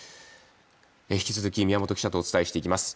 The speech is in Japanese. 引き続き宮本記者とお伝えしていきます。